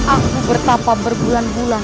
aku bertapa berbulan bulan